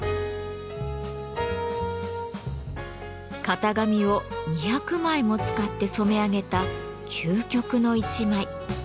型紙を２００枚も使って染め上げた究極の１枚。